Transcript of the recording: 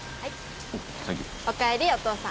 お帰りお父さん